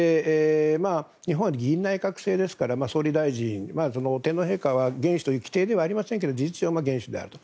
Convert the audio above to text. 日本は議院内閣制ですから総理大臣、天皇陛下は元首という規定ではありませんが事実上、元首であると。